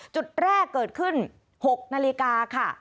จุดแรกเกิดขึ้น๖นาฬิกาค่ะ